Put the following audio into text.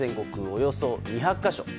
およそ２００か所。